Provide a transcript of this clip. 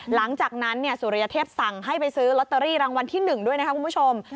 หลังจากนั้นสุริยเทพสั่งให้ไปซื้อลอตเตอรี่รางวัลที่๑ด้วยนะครับคุณผู้ชม